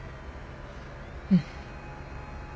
うん。